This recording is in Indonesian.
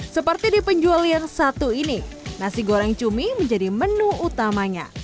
seperti di penjual yang satu ini nasi goreng cumi menjadi menu utamanya